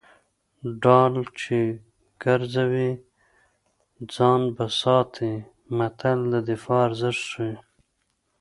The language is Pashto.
ډال چې ګرځوي ځان به ساتي متل د دفاع ارزښت ښيي